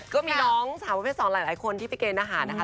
ก็มีน้องสาวประเภท๒หลายคนที่ไปเกณฑ์อาหารนะคะ